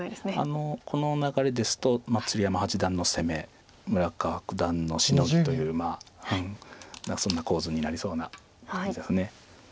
この流れですと鶴山八段の攻め村川九段のシノギというそんな構図になりそうな感じです。